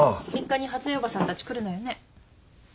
３日に初枝伯母さんたち来るのよね。